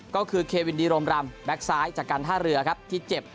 ก็คือเควินดีโรมรำแก๊กซ้ายจากการท่าเรือครับที่เจ็บ